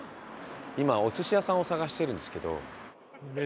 今お寿司屋さんを探してるんですけど。